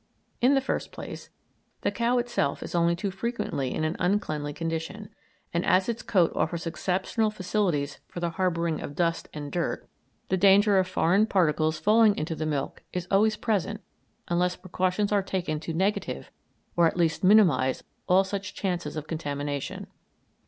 In the first place, the cow itself is only too frequently in an uncleanly condition, and as its coat offers exceptional facilities for the harbouring of dust and dirt, the danger of foreign particles falling into the milk is always present unless precautions are taken to negative, or at least minimise, all such chances of contamination.